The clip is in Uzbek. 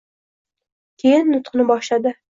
Keyin, nutqini boshladi: